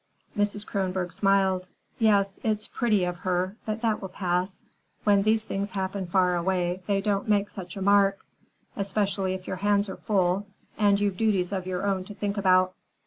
Mrs. Kronborg smiled. "Yes, it's pretty of her. But that will pass. When these things happen far away they don't make such a mark; especially if your hands are full and you've duties of your own to think about.